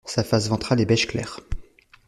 Sa face ventrale est beige clair.